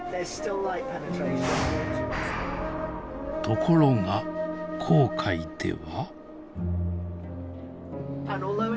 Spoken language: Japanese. ところが紅海では。